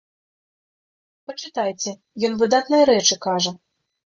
Пачытайце, ён выдатныя рэчы кажа.